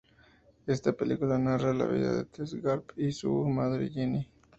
Esta película narra la vida de T. S. Garp, y su madre, Jenny.